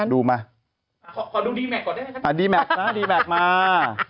ดีแม็กนะดีแม็กมา